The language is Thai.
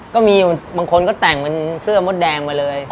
ก็มีบางคนก็แต่งเป็นเสื้อมดแดงมาเลย